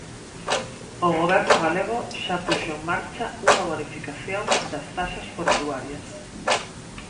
O goberno galego xa puxo en marcha unha bonificación das taxas portuarias.